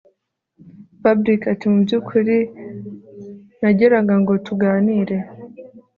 Fabric atimubyukuri nagiraga ngo tuganire